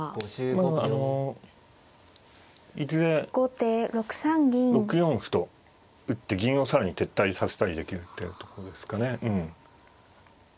まああのいずれ６四歩と打って銀を更に撤退させたりできるっていうとこですかね。